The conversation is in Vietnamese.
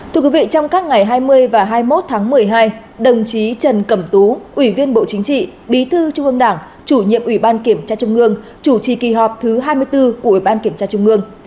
thưa quý vị trong các ngày hai mươi và hai mươi một tháng một mươi hai đồng chí trần cẩm tú ủy viên bộ chính trị bí thư trung ương đảng chủ nhiệm ủy ban kiểm tra trung ương chủ trì kỳ họp thứ hai mươi bốn của ủy ban kiểm tra trung ương